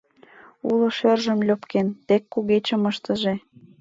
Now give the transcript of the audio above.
Уло шӧржым льопкен, тек кугечым ыштыже!